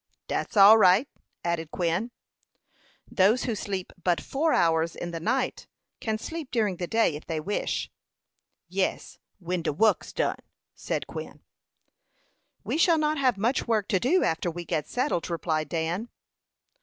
"Dat's all right," added Quin. "Those who sleep but four hours in the night can sleep during the day, if they wish." "Yes, when de wuck's done," said Quin. "We shall not have much work to do after we get settled," replied Dan.